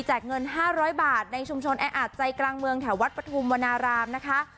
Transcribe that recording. เงิน๕๐๐บาทในชุมชนแออาจใจกลางเมืองแถววัดปฐุมวนารามนะคะ